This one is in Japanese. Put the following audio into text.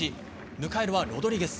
迎えるはロドリゲス。